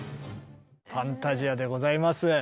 「ファンタジア」でございます。